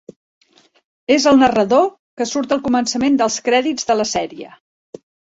És el narrador que surt al començament dels crèdits de la sèrie.